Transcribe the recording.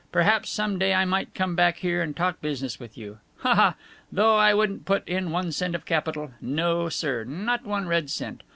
Perhaps some day I might come back here and talk business with you. Ha, ha! Though I wouldn't put in one cent of capital. No, sir! Not one red cent.